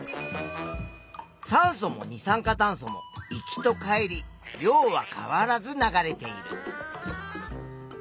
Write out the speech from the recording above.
酸素も二酸化炭素も行きと帰り量は変わらず流れている。